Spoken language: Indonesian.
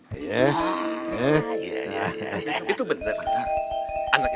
mau dapetin emaknya ya aku udah harus baikin anaknya